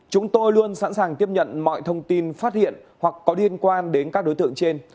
chúng tôi luôn sẵn sàng tiếp nhận mọi thông tin phát hiện hoặc có liên quan đến các đối tượng trên